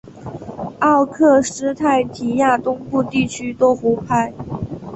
奥克施泰提亚东部地区多湖泊。